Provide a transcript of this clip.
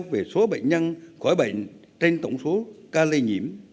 về số bệnh nhân khỏi bệnh trên tổng số ca lây nhiễm